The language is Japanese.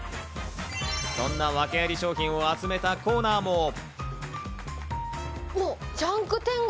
そんなワケあり商品を集めたコーナーも。